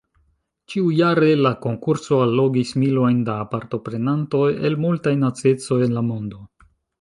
Ĉiujare la konkurso allogis milojn da partoprenantoj el multaj naciecoj en la mondo.